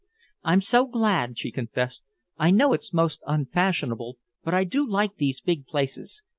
"I'm so glad," she confessed. "I know it's most unfashionable, but I do like these big places.